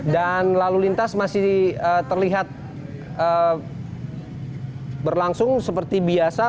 dan lalu lintas masih terlihat berlangsung seperti biasa